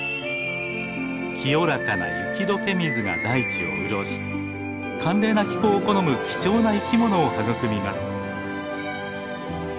清らかな雪どけ水が大地を潤し寒冷な気候を好む貴重な生き物を育みます。